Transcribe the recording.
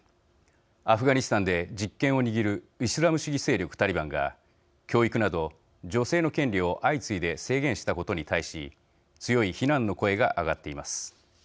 アフガニスタンで実権を握るイスラム主義勢力、タリバンが教育など女性の権利を相次いで制限したことに対し強い非難の声が上がっています。